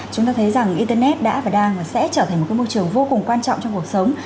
chúng ta thấy rằng internet đã và đang và sẽ trở thành một môi trường vô cùng quan trọng trong cuộc sống